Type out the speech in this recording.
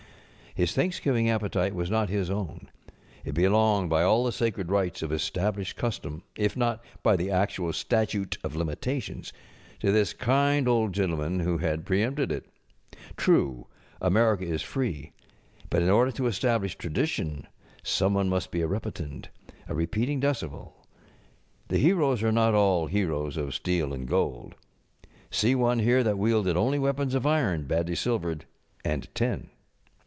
His Thanksgiving appetite was not his own; it belonged by all the sacred rights of established custom, if not by tlic actual Statute of Limitations, to this kind old gentleman who had pre┬½ empted it. True, America is free; but in order to establish tradition some one must be a repetendŌĆöa repeating decimal. The heroes are not all heroes of steel and gold. See one here that wielded only weapons of iron, badly silvered, and tin.